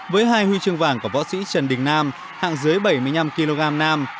với hai huy chương vàng của võ sĩ trần đình nam hạng dưới bảy mươi năm kg nam